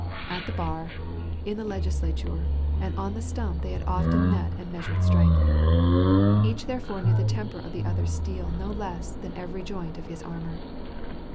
At the bar, in the Legislature, and on the stump they had often met and measured strength. Each therefore knew the temper of the other's steel no less than every joint in his armor.